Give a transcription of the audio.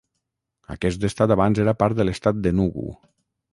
Aquest estat abans era part de l'Estat d'Enugu.